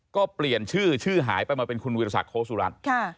ก็เปลี่ยนชื่อชื่อหายไปมาเป็นคุณวิทยาศักดิโค้สุรัตน์